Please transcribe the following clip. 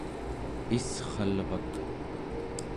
issralvak